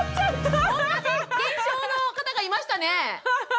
おんなじ現象の方がいましたね。